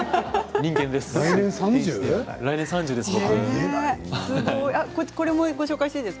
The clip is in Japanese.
人間です。